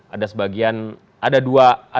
ada sebagian ada dua